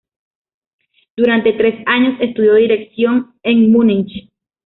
Durante tres años, estudió dirección en Múnich.